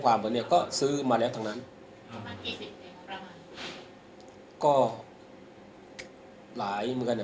ถ้าถามถึงยอดกลับไปมูลค่าตอนนั้นมันประมาณเท่าไหร่ครับ